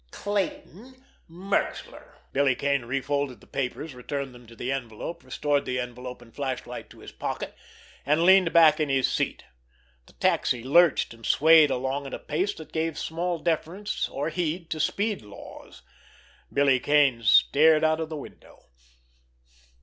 Clayton Merxler." Billy Kane refolded the papers, returned them to the envelope, restored the envelope and flashlight to his pockets, and leaned back in his seat. The taxi lurched and swayed along at a pace that gave small deference or heed to speed laws. Billy Kane stared out of the window.